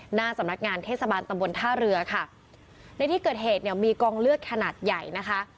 หน้าสำนักงานเทศบาลตำบลท่าเรือค่ะในที่เกิดเหตุเนี่ยมีกองเลือดขนาดใหญ่นะคะ